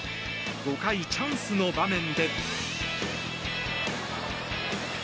５回、チャンスの場面で。